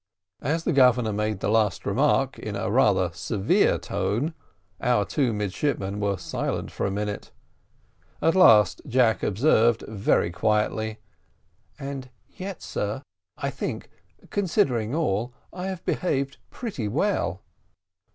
As the Governor made the last remark in rather a severe tone, our two midshipmen were silent for a minute. At last Jack observed, very quietly: "And yet, sir, I think, considering all, I have behaved pretty well."